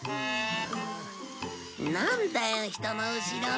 なんだよ人の後ろで。